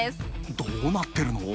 どうなってるの？